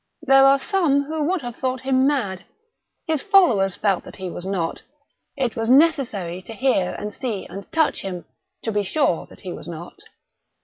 There are some who would have thought him mad. His followers felt that he was not. It was necessary to hear and see and touch him to be sure that he was not.